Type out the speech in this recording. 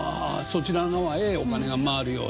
そちら側へお金が回るようにね。